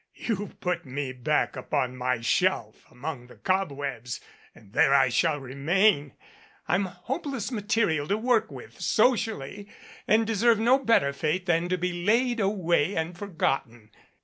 You've put me back upon my shelf among the cobwebs and there I shall remain. I'm hopeless material to work with socially and deserve no better fate than to be laid away and forgotten.